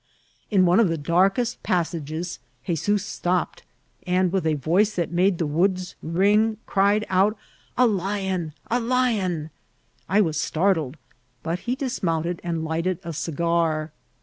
In one of the darkest passages 'Hezoos stopped, and, with a voice that made the woods ring, cried out a Ikm,'' a Hon." I was startled, but he dismounted and lighted a cigar.